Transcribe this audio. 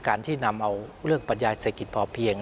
การที่นำเอาเรื่องปัญญาเศรษฐกิจพอเพียง